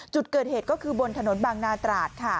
จุดเกิดเหตุก็คือบนถนนบางนาตราดค่ะ